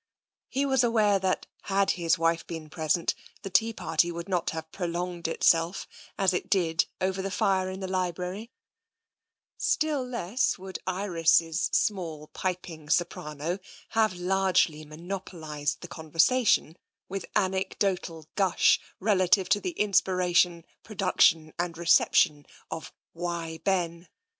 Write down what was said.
He was aware that, had his wife been present, the tea party would not have prolonged itself as it did over the fire in the library; still less would Iris's small piping soprano have largely mo nopolised the conversation with anecdotal gush relative to the inspiration, production, and reception of " Why, Ben!"